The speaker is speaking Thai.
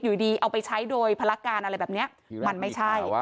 อยู่ดีเอาไปใช้โดยภารการอะไรแบบนี้มันไม่ใช่